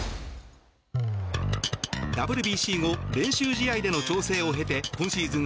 ＷＢＣ後練習試合での調整を経て今シーズン